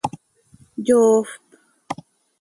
Yoofp.